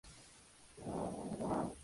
Ben Keith nació en Fort Riley, Kansas.